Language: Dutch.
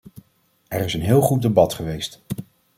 Er is een heel goed debat geweest.